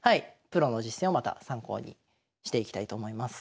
プロの実戦をまた参考にしていきたいと思います。